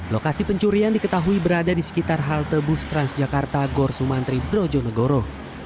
lokasi pencurian diketahui berada di sekitar halte bus transjakarta gorsumantri projonegoro